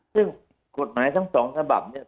ซึ่งกฎหมายทั้งสองฉบับเนี่ย